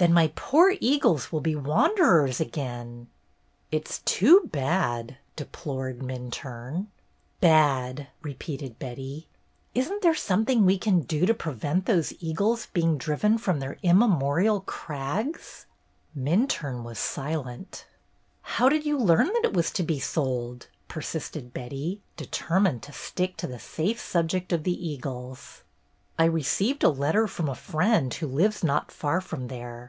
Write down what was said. "Then my poor eagles will be wanderers again!" "It 's too bad !" deplored Minturne. "'Bad!'" repeated Betty. "Isn't there something we can do to prevent those eagles being driven from their ' immemorial crags '?" LOIS'S WEDDING 303 Minturne was silent. "How did you learn that it was to be sold?" persisted Betty, determined to stick to the safe subject of the eagles. "I received a letter from a friend who lives not far from there.